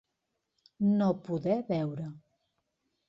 No poder veure.